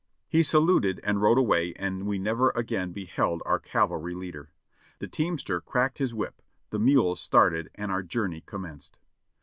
He saluted and rode away and we never again beheld our cav alry leader. The teamster cracked his whip, the mules started and our jour ney commenced.